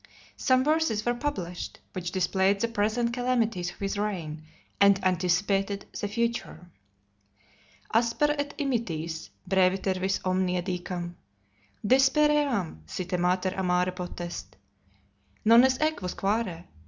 Some verses were published, which displayed the present calamities of his reign, and anticipated the future. Asper et immitis, breviter vis omnia dicam? Dispeream si te mater amare potest. Non es eques, quare?